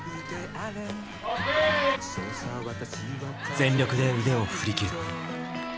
全力で腕を振りきる。